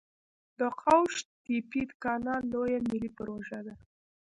د قوش تیپې کانال لویه ملي پروژه ده